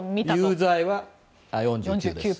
有罪は４９です。